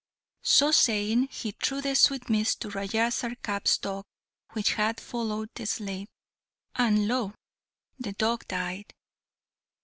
So saying, he threw the sweetmeats to Raja Sarkap's dog, which had followed the slave, and lo! the dog died.